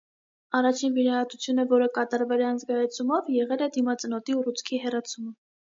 Առաջին վիրահատությունը, որը կատարվել է անզգայացումով, եղել է դիմածնոտի ուռուցքի հեռացումը։